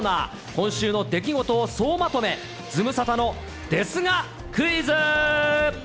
今週の出来事を総まとめ、ズムサタのですがクイズ。